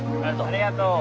ありがとう。